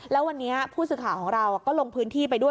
แล้ววันนี้ผู้สื่อข่าวของเราก็ลงพื้นที่ไปด้วย